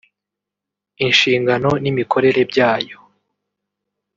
inshingano n’imikorere byayo